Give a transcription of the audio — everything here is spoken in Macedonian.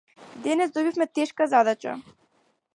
Денес добивме тешка задача.